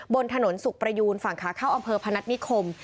บนถนนสุขประยูนฝั่งขาเข้าอำเภอพนัฐนิคม